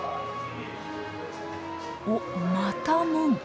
おっまた門。